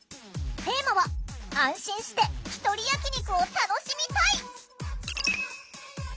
テーマは「安心してひとり焼き肉を楽しみたい！」。